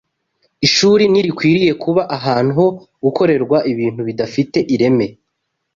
Ishuri ntirikwiriye kuba ahantu ho gukorerwa ibintu bidafite ireme